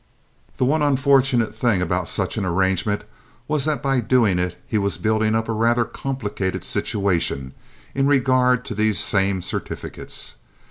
The one unfortunate thing about such an arrangement was that by doing it he was building up a rather complicated situation in regard to these same certificates.